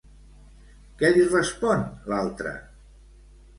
Què li respon l'altra?